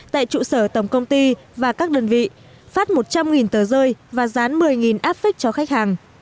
tại trụ sở tổng công ty và các đơn vị phát một trăm linh tờ rơi và dán một mươi áp phích cho khách hàng